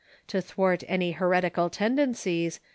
To thwart any heretical tendencies.